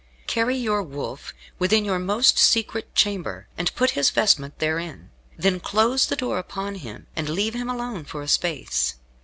Carry your wolf within your most secret chamber, and put his vestment therein. Then close the door upon him, and leave him alone for a space.